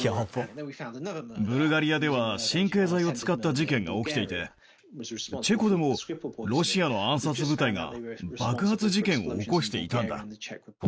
ブルガリアでは神経剤を使った事件が起きていて、チェコでも、ロシアの暗殺部隊が、爆発事件を起こしていたんだ。